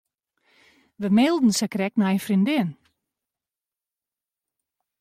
Wy mailden sakrekt nei in freondin.